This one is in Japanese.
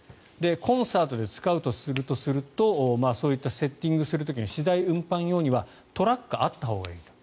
コンサートで使うとするとそういったセッティングする時に資材運搬用にはトラックがあったほうがいいと。